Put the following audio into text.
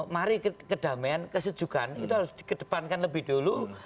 mari kedamaian kesejukan itu harus dikedepankan lebih dulu dari hal yang